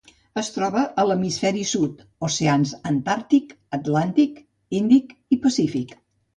Es troba a l'hemisferi sud: oceans Antàrtic, Atlàntic, Índic i Pacífic.